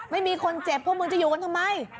ไม่มีคนเจ็บพวกมึงจะอยู่กันทำไม